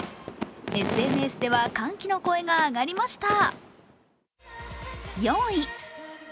ＳＮＳでは歓喜の声が上がりました。